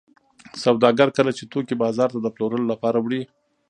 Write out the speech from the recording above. سوداګر کله چې توکي بازار ته د پلورلو لپاره وړي